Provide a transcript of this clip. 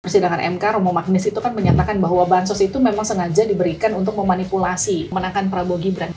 persidangan mk romo magnis itu kan menyatakan bahwa bansos itu memang sengaja diberikan untuk memanipulasi menangkan prabowo gibran